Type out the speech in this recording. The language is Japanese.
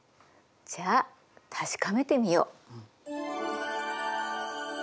じゃあ確かめてみよう！